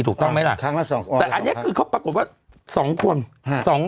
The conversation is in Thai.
ถูกต้องไหมล่ะแต่อันเนี้ยคือเค้าปรากฏว่า๒คน